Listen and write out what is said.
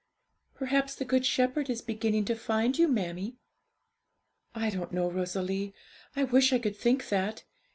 'Perhaps the Good Shepherd is beginning to find you, mammie.' 'I don't know, Rosalie; I wish I could think that.